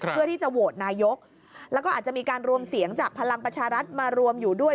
เพื่อที่จะโหวตนายกแล้วก็อาจจะมีการรวมเสียงจากพลังประชารัฐมารวมอยู่ด้วย